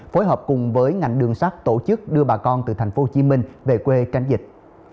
phối hợp cùng với ngành đường sát tổ chức đưa bà con từ tp hcm về quê tranh dịch